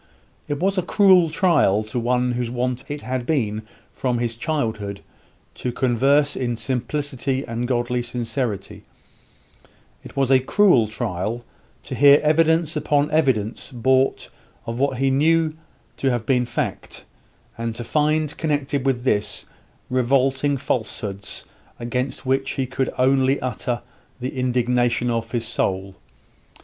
It was a cruel trial to one whose wont it had been from his childhood to converse in "simplicity and godly sincerity," it was a cruel trial to hear evidence, upon evidence brought of what he knew to have been fact, and to find connected with this, revolting falsehoods, against which he could only utter the indignation of his soul.